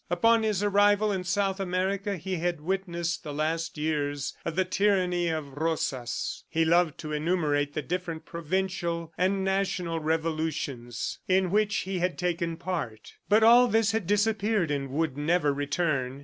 Upon his arrival in South America, he had witnessed the last years of the tyranny of Rosas. He loved to enumerate the different provincial and national revolutions in which he had taken part. But all this had disappeared and would never return.